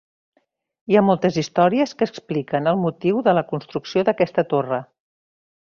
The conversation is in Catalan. Hi ha moltes històries que expliquen el motiu de la construcció d'aquesta torre.